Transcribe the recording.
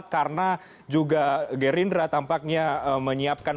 karena juga gerindra tampaknya menyiapkan